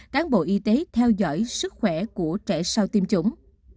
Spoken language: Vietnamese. cán bộ y tế theo dõi sức khỏe của trẻ sau tiêm chủng